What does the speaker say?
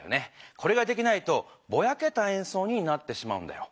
これができないとぼやけたえんそうになってしまうんだよ。